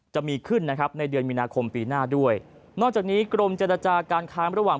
จะมีขึ้นนะครับในเดือนมีนาคมปีหน้าด้วยนอกจากนี้กรมเจรจาการค้าระหว่าง